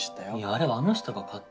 あれはあの人が勝手に。